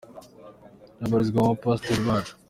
Ubu abarizwa mu ba Pastor bacu.